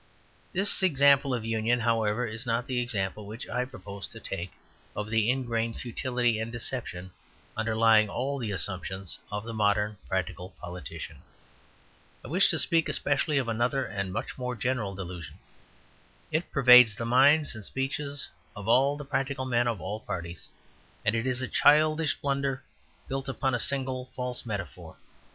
This example of union, however, is not the example which I propose to take of the ingrained futility and deception underlying all the assumptions of the modern practical politician. I wish to speak especially of another and much more general delusion. It pervades the minds and speeches of all the practical men of all parties; and it is a childish blunder built upon a single false metaphor.